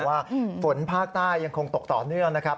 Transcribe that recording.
ว่าฝนภาคใต้ยังคงตกต่อเนื่องนะครับ